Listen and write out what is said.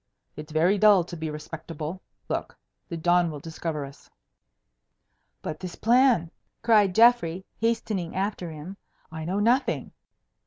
It's very dull to be respectable. Look! the dawn will discover us." "But this plan?" cried Geoffrey, hastening after him; "I know nothing."